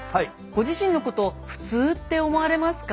ご自身のこと普通って思われますか？